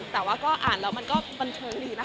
แต่ว่าก็อ่านแล้วมันก็บันเทิงดีนะคะ